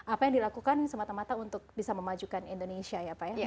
apa yang dilakukan semata mata untuk bisa memajukan indonesia ya pak ya